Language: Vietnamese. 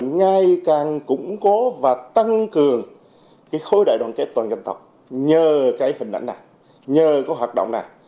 ngày càng củng cố và tăng cường khối đại đoàn kết toàn dân tộc nhờ cái hình ảnh này nhờ cái hoạt động này